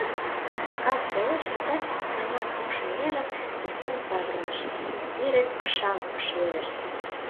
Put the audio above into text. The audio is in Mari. Кас велеш адак ик гана Кукшеҥерым висен савырныш — пире кышам ыш верешт.